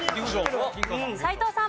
斎藤さん。